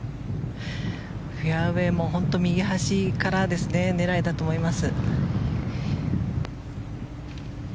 フェアウェーも本当に右端狙いだと思います。